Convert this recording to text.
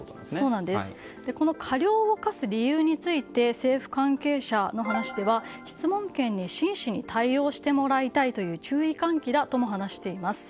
過料を科す理由について政府関係者の話では質問権に真摯に対応してもらいたいという注意喚起だと話しています。